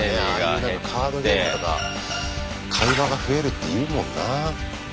まあねああいうカードゲームとか会話が増えるって言うもんな。